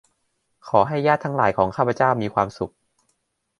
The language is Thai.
ขอให้ญาติทั้งหลายของข้าพเจ้ามีความสุข